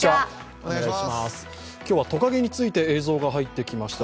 今日はトカゲについて映像が入ってきました。